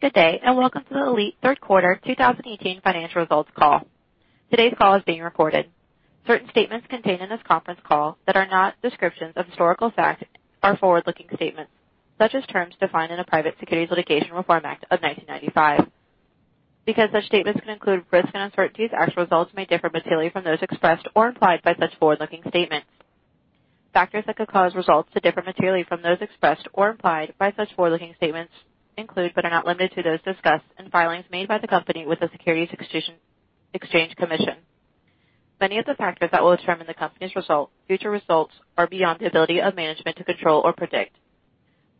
Good day, and welcome to the ALLETE third quarter 2018 financial results call. Today's call is being recorded. Certain statements contained in this conference call that are not descriptions of historical fact are forward-looking statements, such as terms defined in the Private Securities Litigation Reform Act of 1995. Because such statements can include risks and uncertainties, actual results may differ materially from those expressed or implied by such forward-looking statements. Factors that could cause results to differ materially from those expressed or implied by such forward-looking statements include, but are not limited to, those discussed in filings made by the company with the Securities Exchange Commission. Many of the factors that will determine the company's future results are beyond the ability of management to control or predict.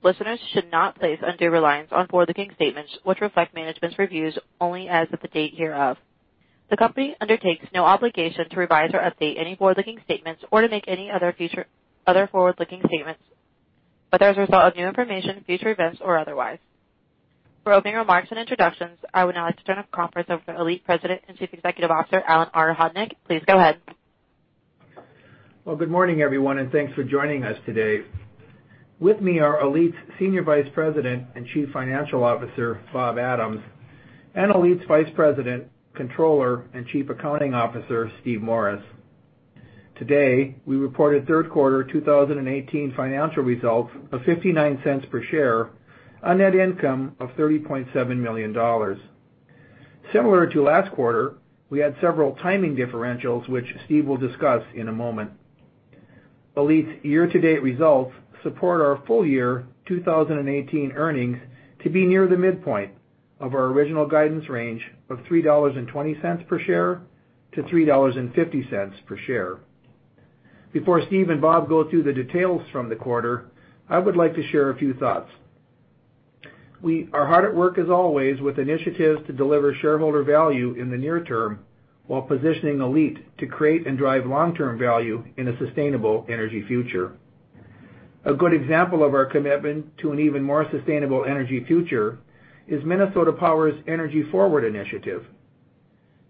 Listeners should not place undue reliance on forward-looking statements, which reflect management's reviews only as of the date hereof. The company undertakes no obligation to revise or update any forward-looking statements or to make any other forward-looking statements, whether as a result of new information, future events, or otherwise. For opening remarks and introductions, I would now like to turn the conference over to ALLETE President and Chief Executive Officer, Alan R. Hodnik. Please go ahead. Good morning, everyone, and thanks for joining us today. With me are ALLETE's Senior Vice President and Chief Financial Officer, Bob Adams, and ALLETE's Vice President, Controller, and Chief Accounting Officer, Steve Morris. Today, we reported third quarter 2018 financial results of $0.59 per share on net income of $30.7 million. Similar to last quarter, we had several timing differentials, which Steve will discuss in a moment. ALLETE's year-to-date results support our full year 2018 earnings to be near the midpoint of our original guidance range of $3.20 per share to $3.50 per share. Before Steve and Bob go through the details from the quarter, I would like to share a few thoughts. We are hard at work as always with initiatives to deliver shareholder value in the near term while positioning ALLETE to create and drive long-term value in a sustainable energy future. A good example of our commitment to an even more sustainable energy future is Minnesota Power's EnergyForward initiative.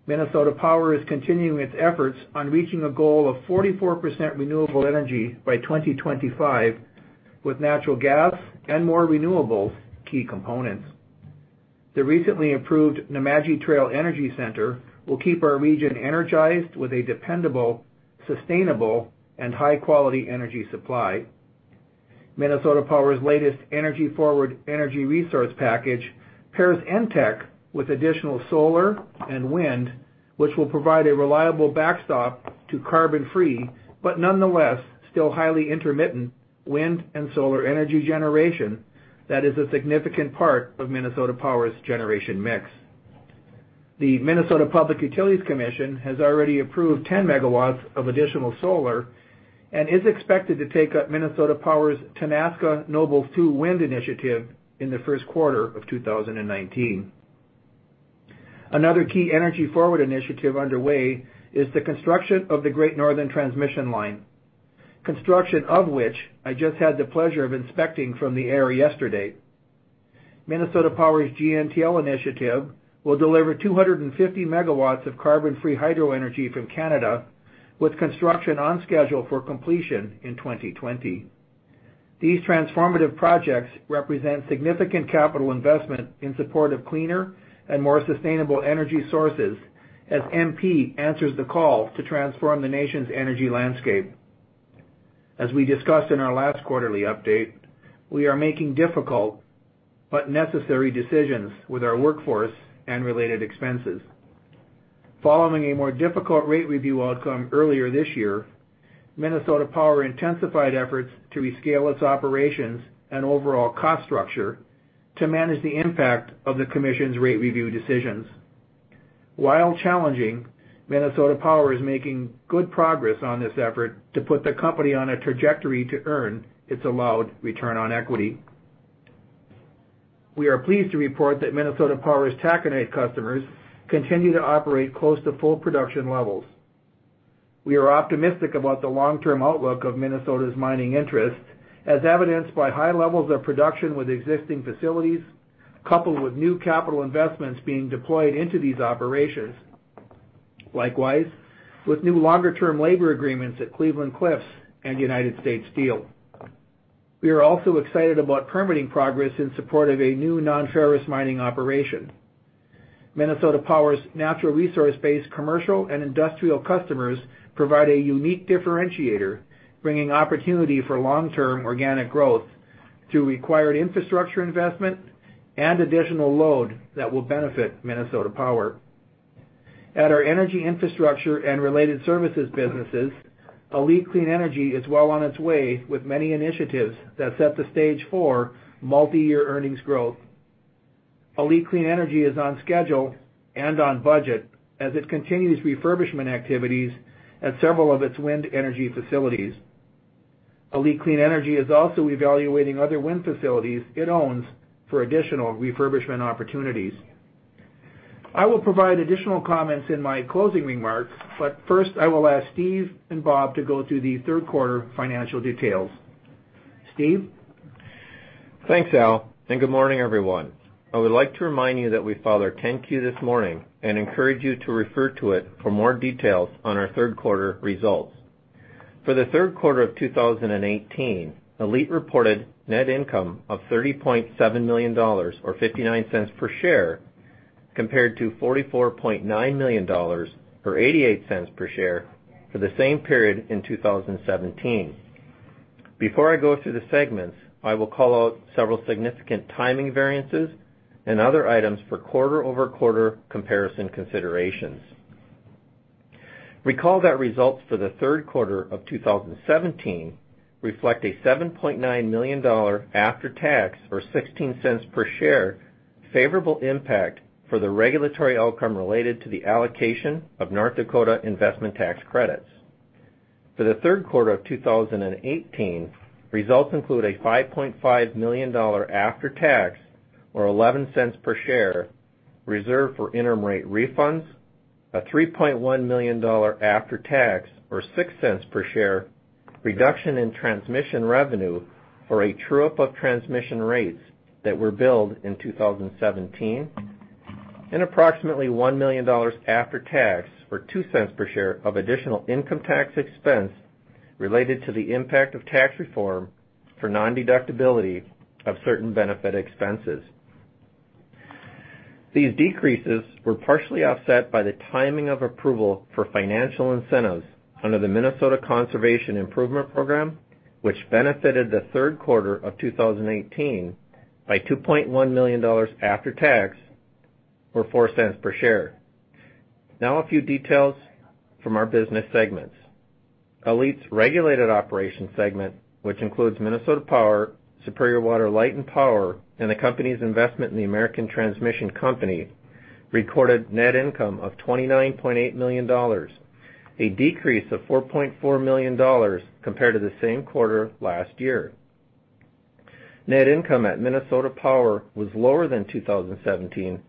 Minnesota Power is continuing its efforts on reaching a goal of 44% renewable energy by 2025, with natural gas and more renewables key components. The recently improved Nemadji Trail Energy Center will keep our region energized with a dependable, sustainable, and high-quality energy supply. Minnesota Power's latest EnergyForward energy resource package pairs NTEC with additional solar and wind, which will provide a reliable backstop to carbon-free, but nonetheless, still highly intermittent wind and solar energy generation that is a significant part of Minnesota Power's generation mix. The Minnesota Public Utilities Commission has already approved 10 MW of additional solar and is expected to take up Minnesota Power's Tenaska Nobles 2 wind initiative in the first quarter of 2019. Another key EnergyForward initiative underway is the construction of the Great Northern Transmission Line, construction of which I just had the pleasure of inspecting from the air yesterday. Minnesota Power's GNTL initiative will deliver 250 MW of carbon-free hydro energy from Canada with construction on schedule for completion in 2020. These transformative projects represent significant capital investment in support of cleaner and more sustainable energy sources as MP answers the call to transform the nation's energy landscape. As we discussed in our last quarterly update, we are making difficult but necessary decisions with our workforce and related expenses. Following a more difficult rate review outcome earlier this year, Minnesota Power intensified efforts to rescale its operations and overall cost structure to manage the impact of the commission's rate review decisions. While challenging, Minnesota Power is making good progress on this effort to put the company on a trajectory to earn its allowed return on equity. We are pleased to report that Minnesota Power's taconite customers continue to operate close to full production levels. We are optimistic about the long-term outlook of Minnesota's mining interest, as evidenced by high levels of production with existing facilities, coupled with new capital investments being deployed into these operations. Likewise, with new longer-term labor agreements at Cleveland-Cliffs and United States Steel. We are also excited about permitting progress in support of a new non-ferrous mining operation. Minnesota Power's natural resource-based commercial and industrial customers provide a unique differentiator, bringing opportunity for long-term organic growth through required infrastructure investment and additional load that will benefit Minnesota Power. At our energy infrastructure and related services businesses, ALLETE Clean Energy is well on its way with many initiatives that set the stage for multi-year earnings growth. ALLETE Clean Energy is on schedule and on budget as it continues refurbishment activities at several of its wind energy facilities. ALLETE Clean Energy is also evaluating other wind facilities it owns for additional refurbishment opportunities. I will provide additional comments in my closing remarks, but first, I will ask Steve and Bob to go through the third quarter financial details. Steve? Thanks, Al, and good morning, everyone. I would like to remind you that we filed our 10-Q this morning and encourage you to refer to it for more details on our third quarter results. For the third quarter of 2018, ALLETE reported net income of $30.7 million, or $0.59 per share, compared to $44.9 million, or $0.88 per share for the same period in 2017. Before I go through the segments, I will call out several significant timing variances and other items for quarter-over-quarter comparison considerations. Recall that results for the third quarter of 2017 reflect a $7.9 million after tax, or $0.16 per share, favorable impact for the regulatory outcome related to the allocation of North Dakota investment tax credits. For the third quarter of 2018, results include a $5.5 million after tax, or $0.11 per share, reserve for interim rate refunds, a $3.1 million after tax, or $0.06 per share, reduction in transmission revenue for a true-up of transmission rates that were billed in 2017, and approximately $1 million after tax, or $0.02 per share, of additional income tax expense related to the impact of tax reform for non-deductibility of certain benefit expenses. These decreases were partially offset by the timing of approval for financial incentives under the Minnesota Conservation Improvement Program, which benefited the third quarter of 2018 by $2.1 million after tax, or $0.04 per share. Now a few details from our business segments. ALLETE's regulated operations segment, which includes Minnesota Power, Superior Water, Light, and Power, and the company's investment in the American Transmission Company, recorded net income of $29.8 million, a decrease of $4.4 million compared to the same quarter last year. Net income at Minnesota Power was lower than 2017,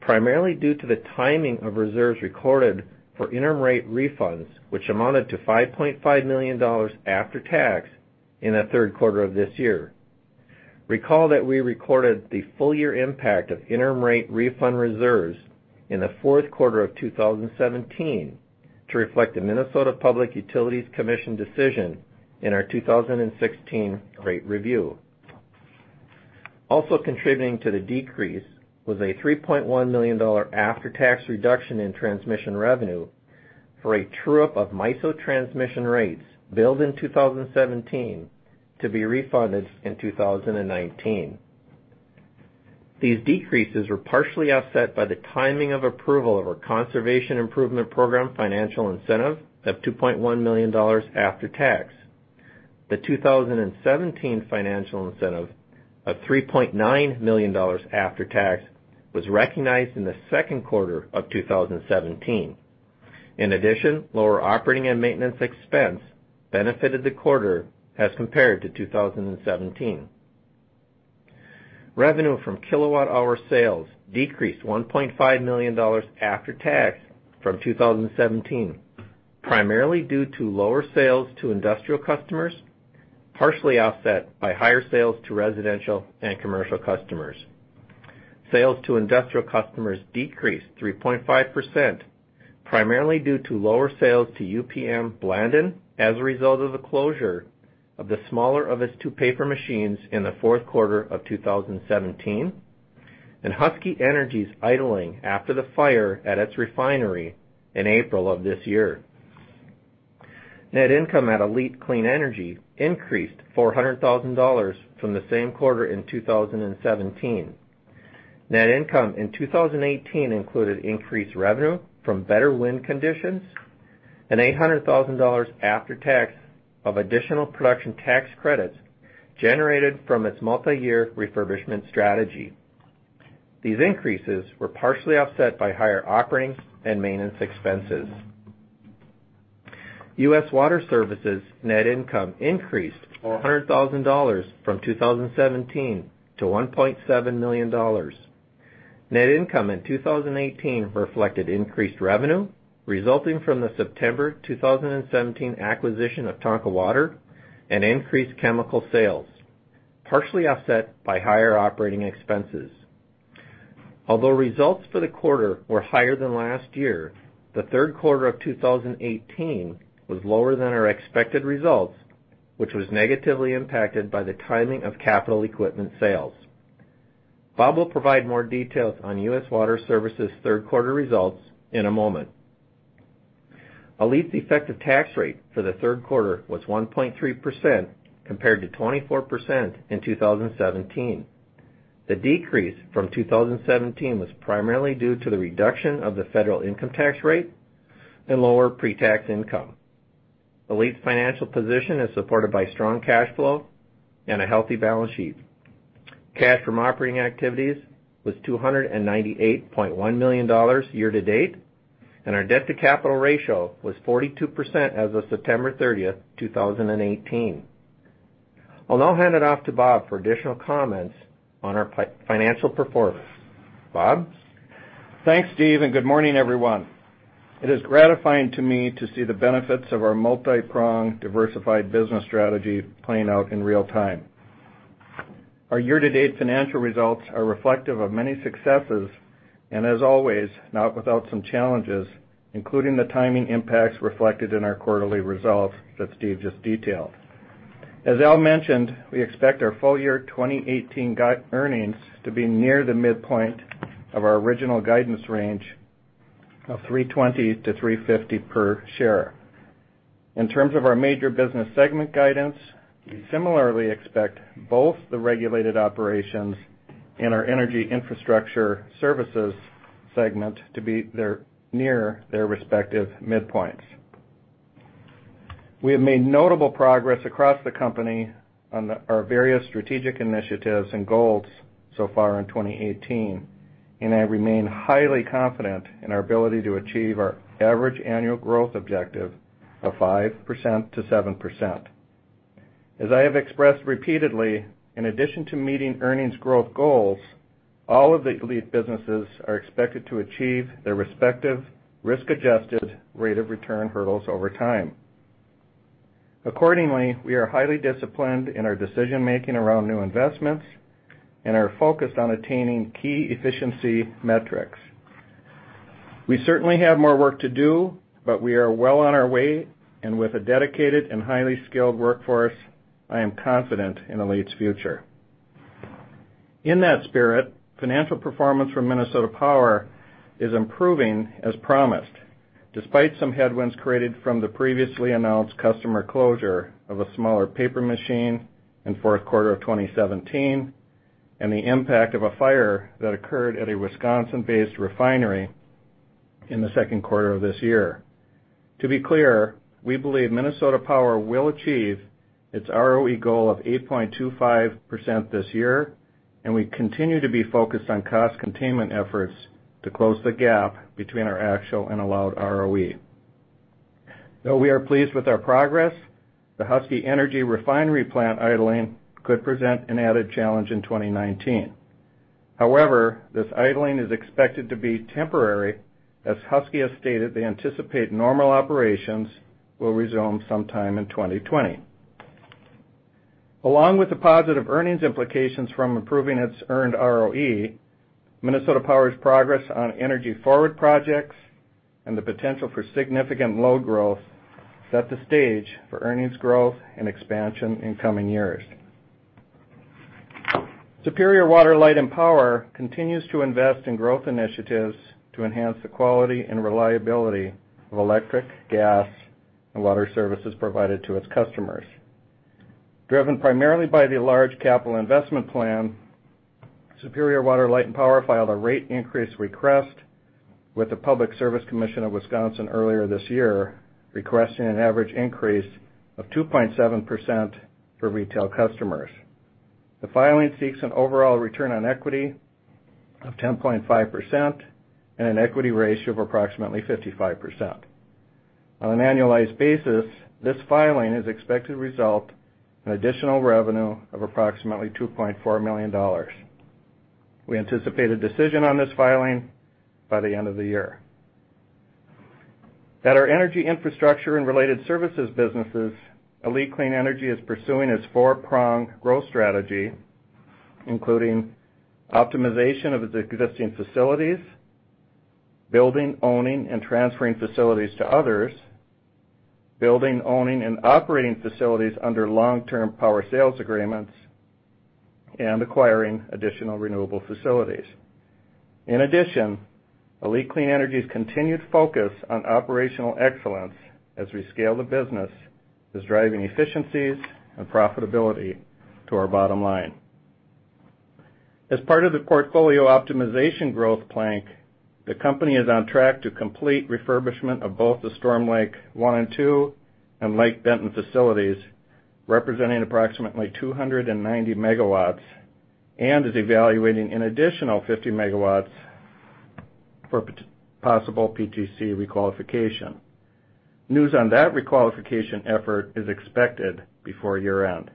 primarily due to the timing of reserves recorded for interim rate refunds, which amounted to $5.5 million after tax in the third quarter of this year. Recall that we recorded the full-year impact of interim rate refund reserves in the fourth quarter of 2017 to reflect the Minnesota Public Utilities Commission decision in our 2016 rate review. Also contributing to the decrease was a $3.1 million after tax reduction in transmission revenue for a true-up of MISO transmission rates billed in 2017 to be refunded in 2019. These decreases were partially offset by the timing of approval of our Conservation Improvement Program financial incentive of $2.1 million after tax. The 2017 financial incentive of $3.9 million after tax was recognized in the second quarter of 2017. In addition, lower operating and maintenance expense benefited the quarter as compared to 2017. Revenue from kilowatt hour sales decreased $1.5 million after tax from 2017, primarily due to lower sales to industrial customers, partially offset by higher sales to residential and commercial customers. Sales to industrial customers decreased 3.5%, primarily due to lower sales to UPM Blandin as a result of the closure of the smaller of its two paper machines in the fourth quarter of 2017, and Husky Energy's idling after the fire at its refinery in April of this year. Net income at ALLETE Clean Energy increased $400,000 from the same quarter in 2017. Net income in 2018 included increased revenue from better wind conditions and $800,000 after tax of additional production tax credits generated from its multi-year refurbishment strategy. These increases were partially offset by higher operating and maintenance expenses. U.S. Water Services net income increased $400,000 from 2017 to $1.7 million. Net income in 2018 reflected increased revenue resulting from the September 2017 acquisition of Tonka Water and increased chemical sales, partially offset by higher operating expenses. Although results for the quarter were higher than last year, the third quarter of 2018 was lower than our expected results, which was negatively impacted by the timing of capital equipment sales. Bob will provide more details on U.S. Water Services' third quarter results in a moment. ALLETE's effective tax rate for the third quarter was 1.3%, compared to 24% in 2017. The decrease from 2017 was primarily due to the reduction of the federal income tax rate and lower pre-tax income. ALLETE's financial position is supported by strong cash flow and a healthy balance sheet. Cash from operating activities was $298.1 million year to date, and our debt to capital ratio was 42% as of September 30th, 2018. I'll now hand it off to Bob for additional comments on our financial performance. Bob? Thanks, Steve, and good morning, everyone. It is gratifying to me to see the benefits of our multi-pronged, diversified business strategy playing out in real time. Our year-to-date financial results are reflective of many successes, and as always, not without some challenges, including the timing impacts reflected in our quarterly results that Steve just detailed. As Al mentioned, we expect our full year 2018 GAAP earnings to be near the midpoint of our original guidance range of $3.20-$3.50 per share. In terms of our major business segment guidance, we similarly expect both the regulated operations and our energy infrastructure services segment to be near their respective midpoints. We have made notable progress across the company on our various strategic initiatives and goals so far in 2018, and I remain highly confident in our ability to achieve our average annual growth objective of 5% to 7%. As I have expressed repeatedly, in addition to meeting earnings growth goals, all of the ALLETE businesses are expected to achieve their respective risk-adjusted rate of return hurdles over time. Accordingly, we are highly disciplined in our decision-making around new investments and are focused on attaining key efficiency metrics. We certainly have more work to do, but we are well on our way, and with a dedicated and highly skilled workforce, I am confident in ALLETE's future. In that spirit, financial performance from Minnesota Power is improving as promised, despite some headwinds created from the previously announced customer closure of a smaller paper machine in fourth quarter of 2017 and the impact of a fire that occurred at a Wisconsin-based refinery in the second quarter of this year. To be clear, we believe Minnesota Power will achieve its ROE goal of 8.25% this year, and we continue to be focused on cost containment efforts to close the gap between our actual and allowed ROE. Though we are pleased with our progress, the Husky Energy refinery plant idling could present an added challenge in 2019. However, this idling is expected to be temporary, as Husky has stated they anticipate normal operations will resume sometime in 2020. Along with the positive earnings implications from improving its earned ROE, Minnesota Power's progress on EnergyForward projects and the potential for significant load growth set the stage for earnings growth and expansion in coming years. Superior Water, Light, and Power continues to invest in growth initiatives to enhance the quality and reliability of electric, gas, and water services provided to its customers. Driven primarily by the large capital investment plan, Superior Water, Light, and Power filed a rate increase request with the Public Service Commission of Wisconsin earlier this year, requesting an average increase of 2.7% for retail customers. The filing seeks an overall return on equity of 10.5% and an equity ratio of approximately 55%. On an annualized basis, this filing is expected to result in additional revenue of approximately $2.4 million. We anticipate a decision on this filing by the end of the year. At our energy infrastructure and related services businesses, ALLETE Clean Energy is pursuing its four-pronged growth strategy, including optimization of its existing facilities; building, owning, and transferring facilities to others; building, owning, and operating facilities under long-term power sales agreements; and acquiring additional renewable facilities. In addition, ALLETE Clean Energy's continued focus on operational excellence as we scale the business is driving efficiencies and profitability to our bottom line. As part of the portfolio optimization growth plank, the company is on track to complete refurbishment of both the Storm Lake 1 and 2 and Lake Benton facilities, representing approximately 290 megawatts, and is evaluating an additional 50 megawatts for possible PTC re-qualification. News on that re-qualification effort is expected before year-end.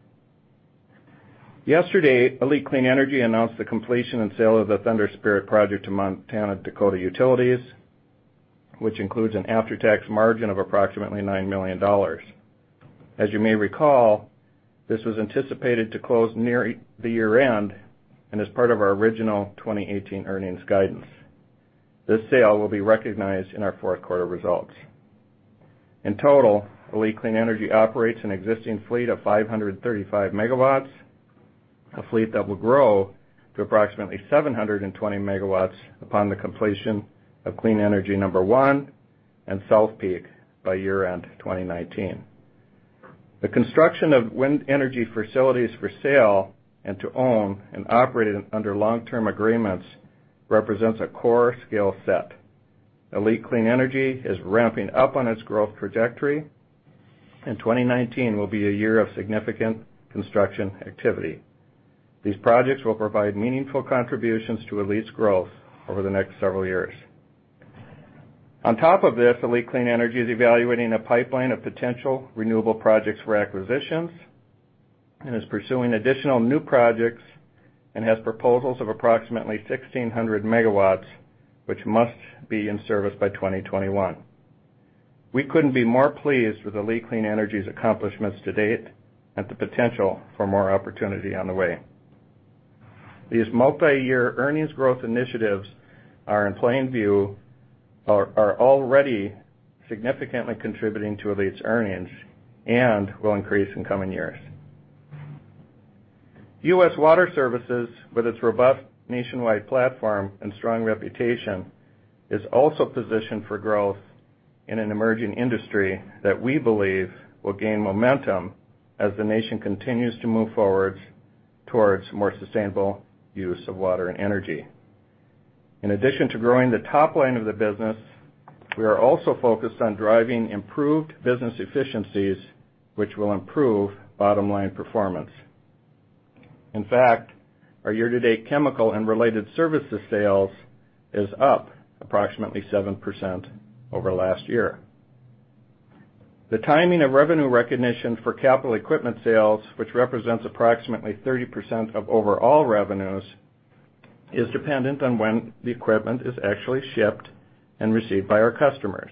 Yesterday, ALLETE Clean Energy announced the completion and sale of the Thunder Spirit project to Montana-Dakota Utilities Co., which includes an after-tax margin of approximately $9 million. As you may recall, this was anticipated to close near the year-end and is part of our original 2018 earnings guidance. This sale will be recognized in our fourth quarter results. In total, ALLETE Clean Energy operates an existing fleet of 535 megawatts, a fleet that will grow to approximately 720 megawatts upon the completion of Clean Energy Number 1 and South Peak by year-end 2019. The construction of wind energy facilities for sale and to own and operate under long-term agreements represents a core scale set. ALLETE Clean Energy is ramping up on its growth trajectory, and 2019 will be a year of significant construction activity. These projects will provide meaningful contributions to ALLETE's growth over the next several years. On top of this, ALLETE Clean Energy is evaluating a pipeline of potential renewable projects for acquisitions and is pursuing additional new projects and has proposals of approximately 1,600 megawatts, which must be in service by 2021. We couldn't be more pleased with ALLETE Clean Energy's accomplishments to date and the potential for more opportunity on the way. These multi-year earnings growth initiatives are in plain view, are already significantly contributing to ALLETE's earnings, and will increase in coming years. U.S. Water Services, with its robust nationwide platform and strong reputation, is also positioned for growth in an emerging industry that we believe will gain momentum as the nation continues to move forward towards more sustainable use of water and energy. In addition to growing the top line of the business, we are also focused on driving improved business efficiencies, which will improve bottom-line performance. In fact, our year-to-date chemical and related services sales is up approximately 7% over last year. The timing of revenue recognition for capital equipment sales, which represents approximately 30% of overall revenues, is dependent on when the equipment is actually shipped and received by our customers.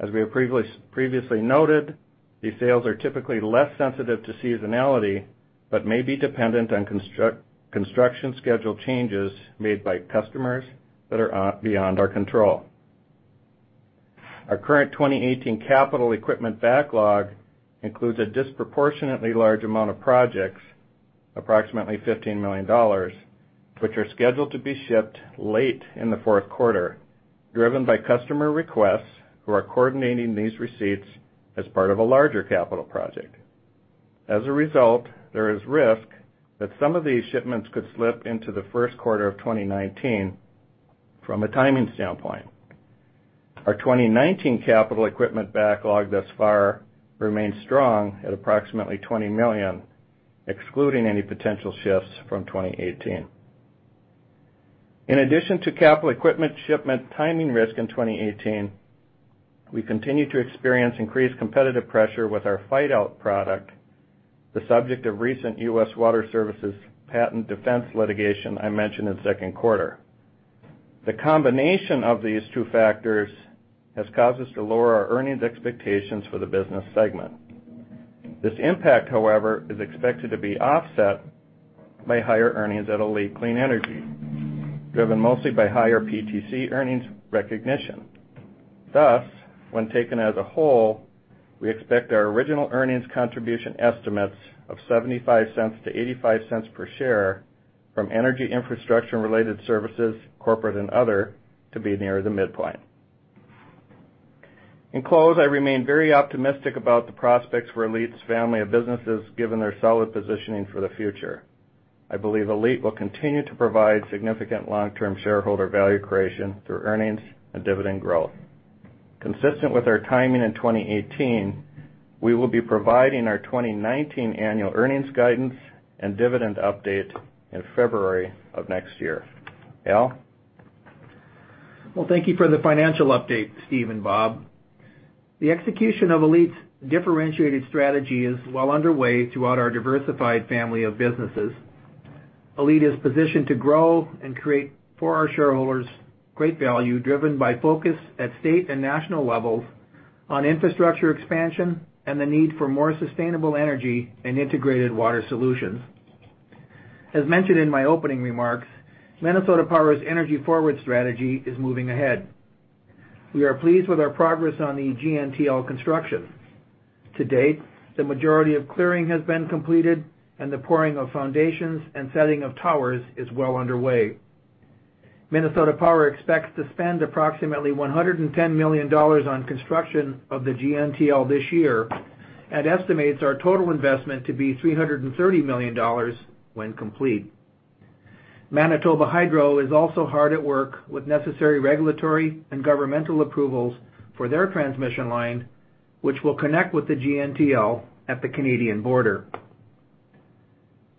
As we have previously noted, these sales are typically less sensitive to seasonality, but may be dependent on construction schedule changes made by customers that are beyond our control. Our current 2018 capital equipment backlog includes a disproportionately large amount of projects, approximately $15 million, which are scheduled to be shipped late in the fourth quarter, driven by customer requests who are coordinating these receipts as part of a larger capital project. As a result, there is risk that some of these shipments could slip into the first quarter of 2019 from a timing standpoint. Our 2019 capital equipment backlog thus far remains strong at approximately $20 million, excluding any potential shifts from 2018. In addition to capital equipment shipment timing risk in 2018, we continue to experience increased competitive pressure with our pHytOUT product, the subject of recent U.S. Water Services patent defense litigation I mentioned in the second quarter. The combination of these two factors has caused us to lower our earnings expectations for the business segment. This impact, however, is expected to be offset by higher earnings at ALLETE Clean Energy, driven mostly by higher PTC earnings recognition. Thus, when taken as a whole, we expect our original earnings contribution estimates of $0.75 to $0.85 per share from energy infrastructure and related services, corporate and other, to be near the midpoint. In close, I remain very optimistic about the prospects for ALLETE's family of businesses, given their solid positioning for the future. I believe ALLETE will continue to provide significant long-term shareholder value creation through earnings and dividend growth. Consistent with our timing in 2018, we will be providing our 2019 annual earnings guidance and dividend update in February of next year. Al? Well, thank you for the financial update, Steve and Bob. The execution of ALLETE's differentiated strategy is well underway throughout our diversified family of businesses. ALLETE is positioned to grow and create for our shareholders great value, driven by focus at state and national levels on infrastructure expansion and the need for more sustainable energy and integrated water solutions. As mentioned in my opening remarks, Minnesota Power's EnergyForward strategy is moving ahead. We are pleased with our progress on the GNTL construction. To date, the majority of clearing has been completed, and the pouring of foundations and setting of towers is well underway. Minnesota Power expects to spend approximately $110 million on construction of the GNTL this year and estimates our total investment to be $330 million when complete. Manitoba Hydro is also hard at work with necessary regulatory and governmental approvals for their transmission line, which will connect with the GNTL at the Canadian border.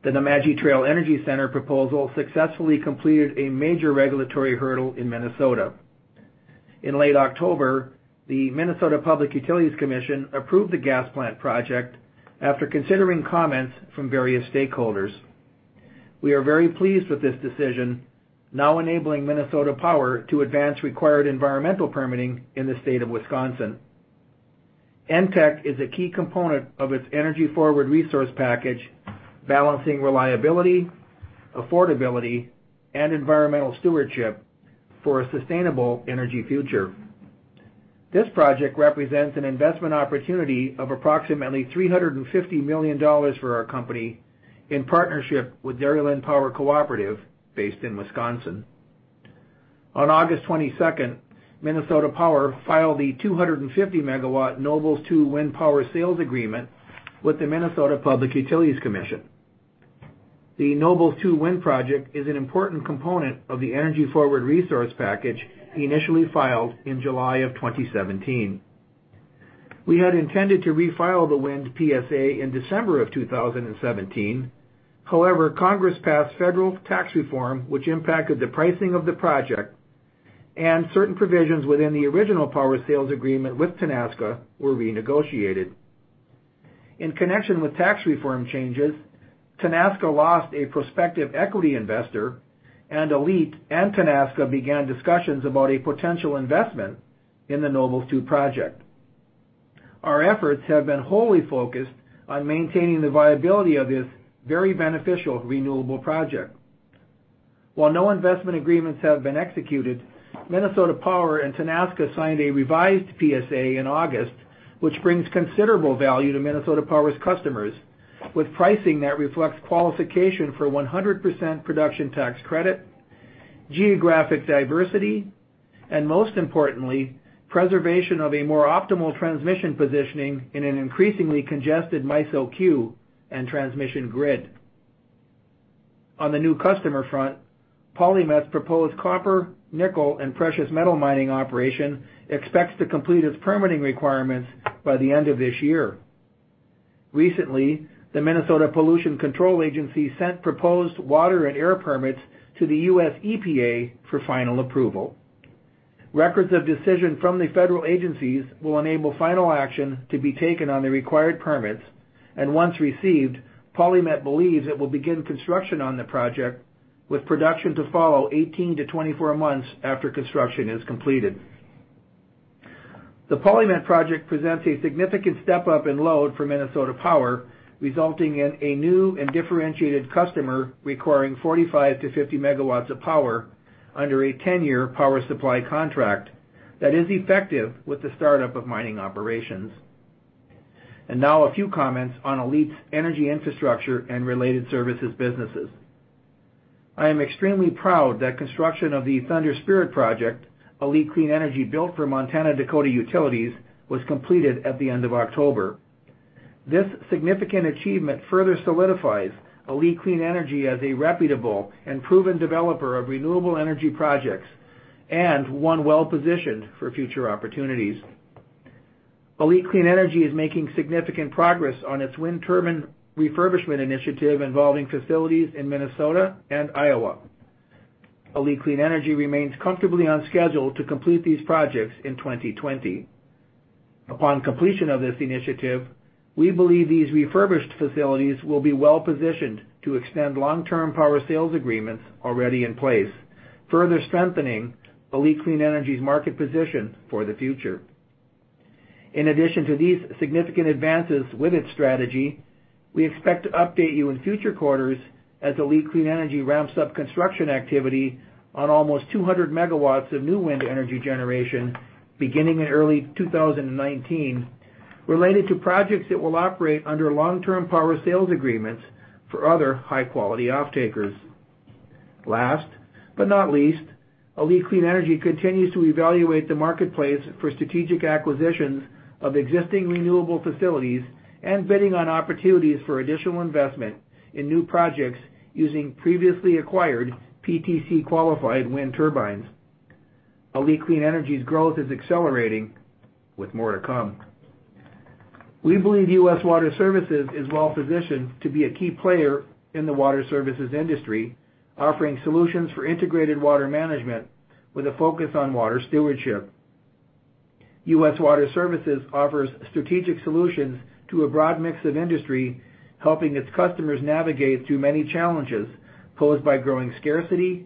The Nemadji Trail Energy Center proposal successfully completed a major regulatory hurdle in Minnesota. In late October, the Minnesota Public Utilities Commission approved the gas plant project after considering comments from various stakeholders. We are very pleased with this decision, now enabling Minnesota Power to advance required environmental permitting in the state of Wisconsin. NTEC is a key component of its EnergyForward resource package, balancing reliability, affordability, and environmental stewardship for a sustainable energy future. This project represents an investment opportunity of approximately $350 million for our company in partnership with Dairyland Power Cooperative, based in Wisconsin. On August 22nd, Minnesota Power filed the 250-megawatt Nobles 2 Wind Power sales agreement with the Minnesota Public Utilities Commission. The Nobles 2 Wind project is an important component of the EnergyForward resource package initially filed in July of 2017. We had intended to refile the wind PSA in December of 2017. Congress passed federal tax reform, which impacted the pricing of the project, and certain provisions within the original power sales agreement with Tenaska were renegotiated. In connection with tax reform changes, Tenaska lost a prospective equity investor, and ALLETE and Tenaska began discussions about a potential investment in the Nobles 2 project. Our efforts have been wholly focused on maintaining the viability of this very beneficial renewable project. While no investment agreements have been executed, Minnesota Power and Tenaska signed a revised PSA in August, which brings considerable value to Minnesota Power's customers with pricing that reflects qualification for 100% production tax credit, geographic diversity, and most importantly, preservation of a more optimal transmission positioning in an increasingly congested MISO queue and transmission grid. On the new customer front, PolyMet's proposed copper, nickel, and precious metal mining operation expects to complete its permitting requirements by the end of this year. Recently, the Minnesota Pollution Control Agency sent proposed water and air permits to the U.S. EPA for final approval. Records of decision from the federal agencies will enable final action to be taken on the required permits, and once received, PolyMet believes it will begin construction on the project, with production to follow 18 to 24 months after construction is completed. The PolyMet project presents a significant step-up in load for Minnesota Power, resulting in a new and differentiated customer requiring 45 to 50 MW of power under a 10-year power supply contract that is effective with the startup of mining operations. Now a few comments on ALLETE's Energy Infrastructure and Related Services businesses. I am extremely proud that construction of the Thunder Spirit project ALLETE Clean Energy built for Montana-Dakota Utilities was completed at the end of October. This significant achievement further solidifies ALLETE Clean Energy as a reputable and proven developer of renewable energy projects, and one well-positioned for future opportunities. ALLETE Clean Energy is making significant progress on its wind turbine refurbishment initiative involving facilities in Minnesota and Iowa. ALLETE Clean Energy remains comfortably on schedule to complete these projects in 2020. Upon completion of this initiative, we believe these refurbished facilities will be well-positioned to extend long-term power sales agreements already in place, further strengthening ALLETE Clean Energy's market position for the future. In addition to these significant advances with its strategy, we expect to update you in future quarters as ALLETE Clean Energy ramps up construction activity on almost 200 MW of new wind energy generation beginning in early 2019, related to projects that will operate under long-term power sales agreements for other high-quality off-takers. Last but not least, ALLETE Clean Energy continues to evaluate the marketplace for strategic acquisitions of existing renewable facilities and bidding on opportunities for additional investment in new projects using previously acquired PTC-qualified wind turbines. ALLETE Clean Energy's growth is accelerating, with more to come. We believe U.S. Water Services is well-positioned to be a key player in the water services industry, offering solutions for integrated water management with a focus on water stewardship. U.S. Water Services offers strategic solutions to a broad mix of industry, helping its customers navigate through many challenges posed by growing scarcity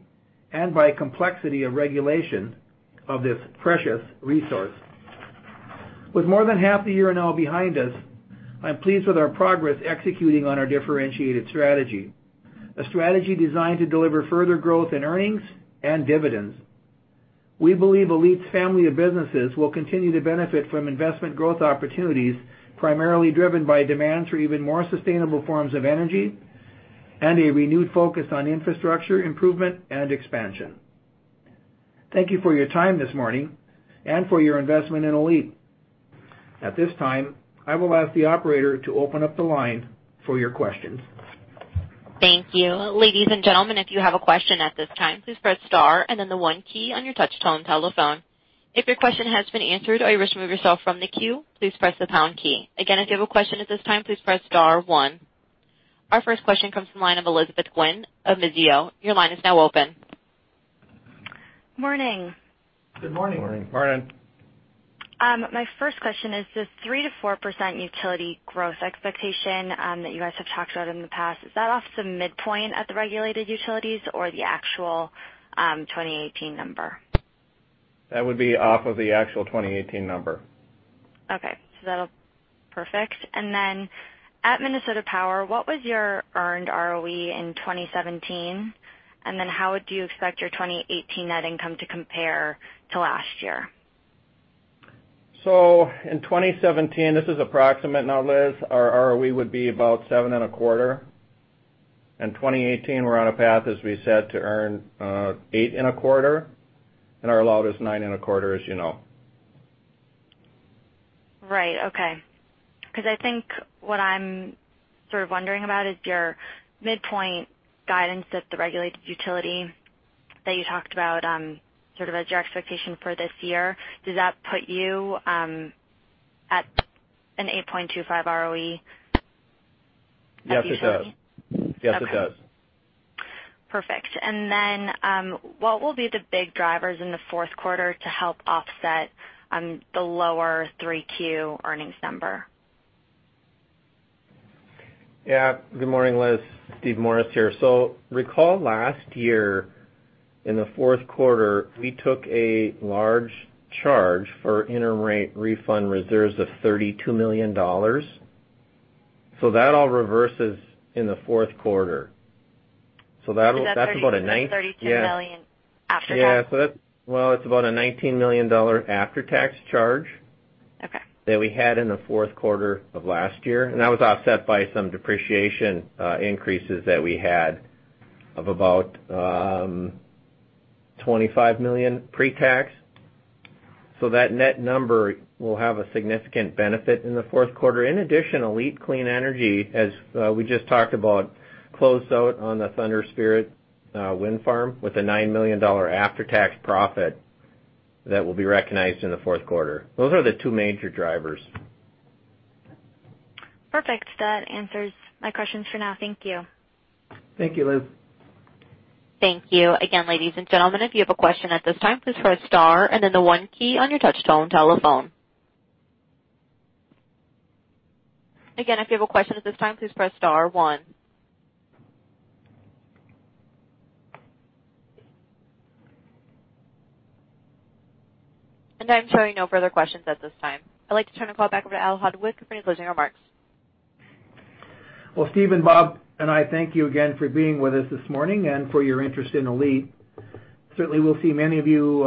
and by complexity of regulation of this precious resource. With more than half the year now behind us, I am pleased with our progress executing on our differentiated strategy. A strategy designed to deliver further growth in earnings and dividends. We believe ALLETE's family of businesses will continue to benefit from investment growth opportunities, primarily driven by demand for even more sustainable forms of energy and a renewed focus on infrastructure improvement and expansion. Thank you for your time this morning and for your investment in ALLETE. At this time, I will ask the operator to open up the line for your questions. Thank you. Ladies and gentlemen, if you have a question at this time, please press star and then the one key on your touch-tone telephone. If your question has been answered or you wish to remove yourself from the queue, please press the pound key. Again, if you have a question at this time, please press star one. Our first question comes from the line of Elizabeth Gwynn of Mizuho. Your line is now open. Morning. Good morning. Morning. Morning. My first question is, this 3%-4% utility growth expectation that you guys have talked about in the past, is that off the midpoint at the regulated utilities or the actual 2018 number? That would be off of the actual 2018 number. Okay. That'll Perfect. At Minnesota Power, what was your earned ROE in 2017? How would you expect your 2018 net income to compare to last year? In 2017, this is approximate now, Liz, our ROE would be about seven and a quarter. In 2018, we're on a path, as we said, to earn eight and a quarter, and our allowed is nine and a quarter, as you know. Right. Okay. I think what I'm sort of wondering about is your midpoint guidance at the regulated utility that you talked about sort of as your expectation for this year. Does that put you at an 8.25 ROE? Yes, it does. Okay. Perfect. What will be the big drivers in the fourth quarter to help offset the lower 3Q earnings number? Yeah. Good morning, Liz. Steve Morris here. Recall last year in the fourth quarter, we took a large charge for interim rate refund reserves of $32 million. That all reverses in the fourth quarter. That's about a That $32 million after that? Yeah. It's about a $19 million after-tax charge. Okay that we had in the fourth quarter of last year, that was offset by some depreciation increases that we had of about $25 million pre-tax. That net number will have a significant benefit in the fourth quarter. In addition, ALLETE Clean Energy, as we just talked about, closed out on the Thunder Spirit Wind Farm with a $9 million after-tax profit that will be recognized in the fourth quarter. Those are the two major drivers. Perfect. That answers my questions for now. Thank you. Thank you, Liz. Thank you. Again, ladies and gentlemen, if you have a question at this time, please press star and then the one key on your touchtone telephone. Again, if you have a question at this time, please press star one. I'm showing no further questions at this time. I'd like to turn the call back over to Al Hodnik for his closing remarks. Well, Steve and Bob and I thank you again for being with us this morning and for your interest in ALLETE. Certainly, we'll see many of you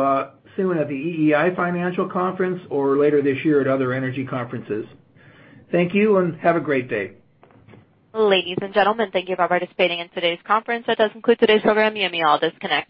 soon at the EEI Financial Conference or later this year at other energy conferences. Thank you and have a great day. Ladies and gentlemen, thank you for participating in today's conference. That does conclude today's program. You may all disconnect.